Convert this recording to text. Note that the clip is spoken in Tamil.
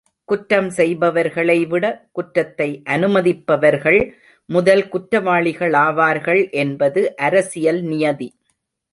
குற்றம் செய்பவர்களை விட, குற்றத்தை அனுமதிப்பவர்கள் முதல் குற்றவாளிகளாவார்கள் என்பது அரசியல் நியதி.